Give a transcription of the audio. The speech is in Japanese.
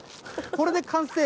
これで完成。